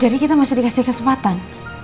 kita masih dikasih kesempatan